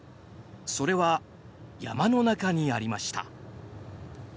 それは山の中にありました。